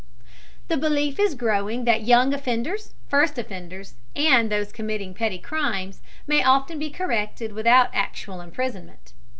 The belief is growing that young offenders, first offenders, and those committing petty crimes, may often be corrected without actual imprisonment.